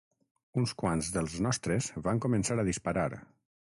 Uns quants dels nostres van començar a disparar